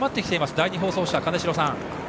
第２放送車、金城さん。